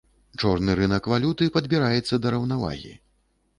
Чорны рынак валюты падбіраецца да раўнавагі.